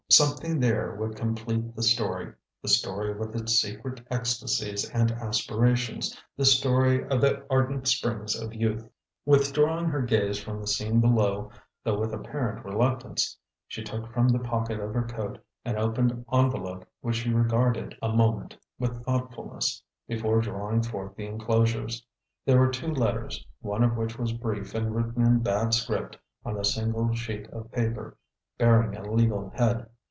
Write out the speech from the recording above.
Something there would complete the story the story with its secret ecstasies and aspirations the story of the ardent springs of youth. Withdrawing her gaze from the scene below, though with apparent reluctance, she took from the pocket of her coat an opened envelope which she regarded a moment with thoughtfulness, before drawing forth the enclosures. There were two letters, one of which was brief and written in bad script on a single sheet of paper bearing a legal head.